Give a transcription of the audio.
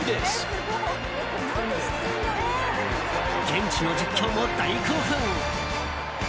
現地の実況も大興奮。